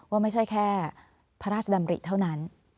ว่าไม่ใช่แค่พระราชดำริเท่านั้น